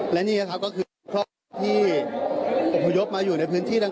และนี่นะครับก็คือครอบครัวที่อพยพมาอยู่ในพื้นที่ต่าง